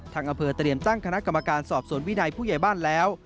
อำเภอเตรียมตั้งคณะกรรมการสอบสวนวินัยผู้ใหญ่บ้านแล้ว